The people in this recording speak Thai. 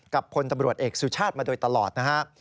กับพลตำรวจเอกสุชาติมาโดยตลอดนะฮะ